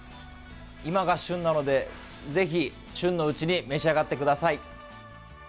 今が旬なので、ぜひ旬のうちに召し上がってください。